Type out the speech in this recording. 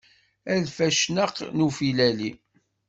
A lfacnaq n ufilali.